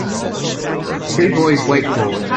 Two boys wakeboard.